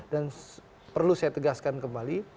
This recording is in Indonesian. dan perlu saya tegaskan kembali